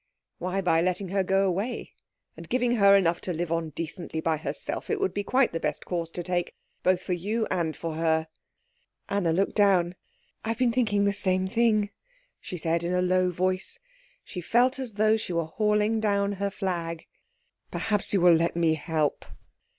"Why, by letting her go away, and giving her enough to live on decently by herself. It would be quite the best course to take, both for you and for her." Anna looked down. "I have been thinking the same thing," she said in a low voice; she felt as though she were hauling down her flag. "Perhaps you will let me help."